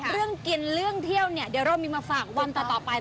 เรื่องกินเรื่องเที่ยวเนี่ยเดี๋ยวเรามีมาฝากวันต่อไป